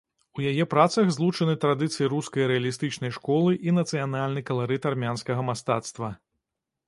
У яе працах злучаны традыцыі рускай рэалістычнай школы і нацыянальны каларыт армянскага мастацтва.